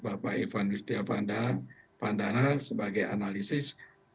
bapak ivan yustiavanda pandana sebagai analisis